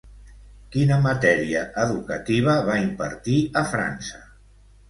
Quina matèria educativa va impartir a França?